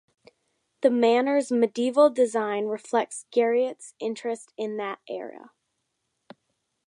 The manor's medieval design reflects Garriott's interest in the era.